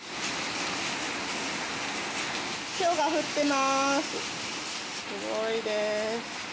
ひょうが降ってます。